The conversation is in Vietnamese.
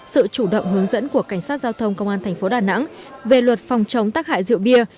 sự chủ động hướng dẫn của cảnh sát giao thông công an thành phố đà nẵng về luật phòng chống tác hại rượu bia